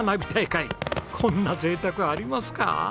こんな贅沢ありますか？